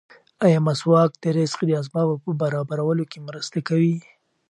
ایا مسواک د رزق د اسبابو په برابرولو کې مرسته کوي؟